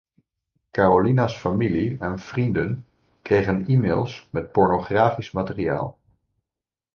Karolina's familie en vrienden kregen e-mails met pornografisch materiaal.